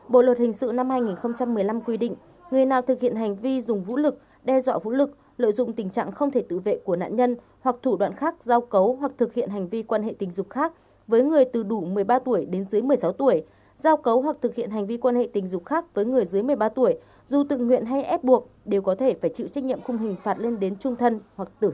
bộ luật hình sự năm hai nghìn một mươi năm quy định người nào thực hiện hành vi dùng vũ lực đe dọa vũ lực lợi dụng tình trạng không thể tự vệ của nạn nhân hoặc thủ đoạn khác giao cấu hoặc thực hiện hành vi quan hệ tình dục khác với người từ đủ một mươi ba tuổi đến dưới một mươi sáu tuổi giao cấu hoặc thực hiện hành vi quan hệ tình dục khác với người dưới một mươi ba tuổi dù tự nguyện hay ép buộc đều có thể phải chịu trách nhiệm không hình phạt lên đến trung thân hoặc tử hình